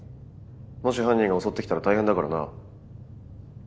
もし犯人が襲ってきたら大変だからな。